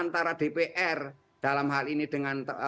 antara dpr dalam hal ini dengan